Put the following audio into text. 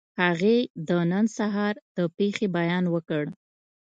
هغې د نن سهار د پېښې بیان وکړ